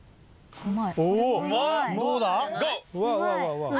うまい。